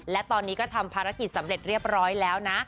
และตอนนี้ก็ทำภารกิจสำเร็จเรียบร้อยแล้วนะ